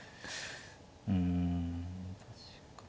うん確かに。